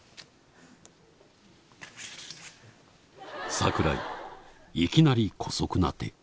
櫻井、いきなりこそくな手。